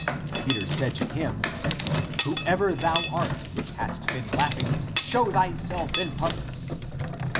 Peter said to him, " Whoever thou art which hast been laughing, show thyself in public."